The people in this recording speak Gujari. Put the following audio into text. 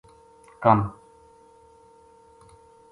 کم